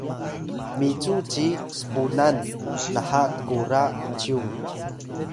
micu ci spunan naha tkura ’cyung